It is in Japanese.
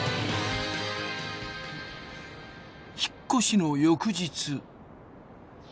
引っ越しの翌日。